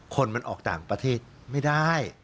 คนมันออกต่างประเทศไม่ได้